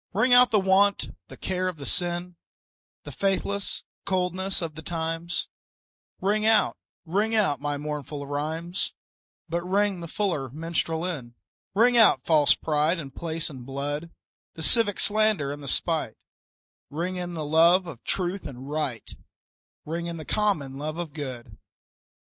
Ring out the want, the care the sin, The faithless coldness of the times; Ring out, ring out my mournful rhymes, But ring the fuller minstrel in. Ring out false pride in place and blood, The civic slander and the spite; Ring in the love of truth and right, Ring in the common love of good.